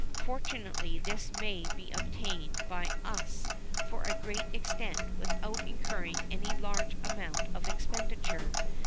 Fortunately this may be obtained by us to a great extent without incurring any large amount of expenditure.